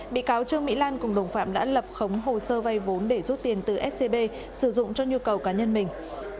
bị cáo trương mỹ lan cùng đồng phạm đã lập khống hồ sơ vay vốn để rút tiền từ scb sử dụng cho nhu cầu cá nhân mình